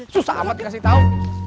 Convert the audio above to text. susah amat dikasih tau